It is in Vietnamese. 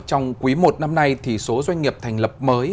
trong quý i năm nay thì số doanh nghiệp thành lập mới